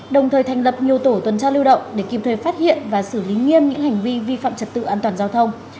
đồng thời thành lập nhiều tổ tuần tra lưu động để kịp thời phát hiện và xử lý nghiêm những hành vi vi phạm trật tự an toàn giao thông